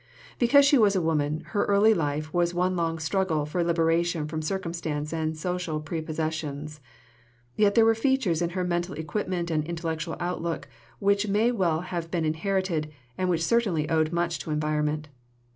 Because she was a woman, her early life was one long struggle for liberation from circumstance and social prepossessions. Yet there were features in her mental equipment and intellectual outlook which may well have been inherited, and which certainly owed much to environment.